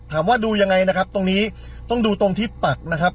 ดูยังไงนะครับตรงนี้ต้องดูตรงที่ปักนะครับ